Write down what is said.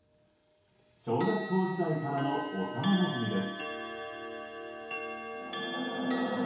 小学校時代からの幼なじみです。